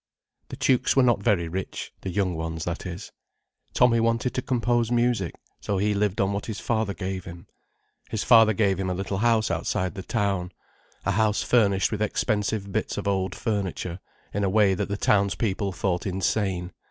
The Tukes were not very rich—the young ones, that is. Tommy wanted to compose music, so he lived on what his father gave him. His father gave him a little house outside the town, a house furnished with expensive bits of old furniture, in a way that the townspeople thought insane.